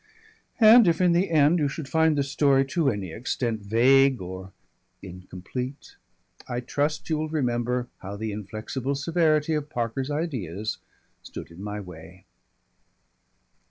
And if in the end you should find this story to any extent vague or incomplete, I trust you will remember how the inflexible severity of Parker's ideas stood in my way.